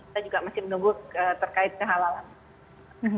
kita masih menunggu terkait hal hal lainnya